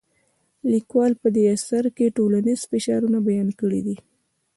لیکوال په دې اثر کې ټولنیز فشارونه بیان کړي دي.